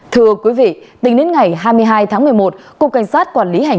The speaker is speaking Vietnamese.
thưa quý vị tính đến ngày hai mươi hai tháng một mươi một